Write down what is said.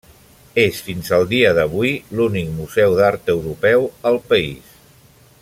És, fins al dia d'avui, l'únic museu d'art europeu al país.